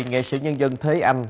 nghệ sĩ nhân dân thế anh